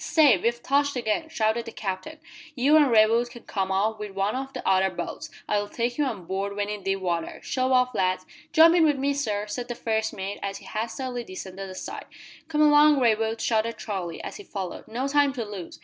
"Stay! We've touched again!" shouted the Captain. "You an' Raywood can come off with one o' the other boats. I'll take you on board when in deep water shove off, lads." "Jump in with me, sir," said the first mate, as he hastily descended the side. "Come along, Raywood," shouted Charlie, as he followed. "No time to lose!"